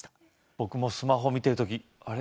僕もスマホ見てる時あれ？